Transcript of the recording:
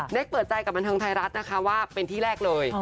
เปิดใจกับบันเทิงไทยรัฐนะคะว่าเป็นที่แรกเลย